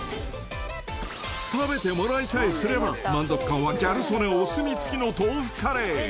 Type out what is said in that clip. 食べてもらいさえすれば、満足感はギャル曽根お墨付きの豆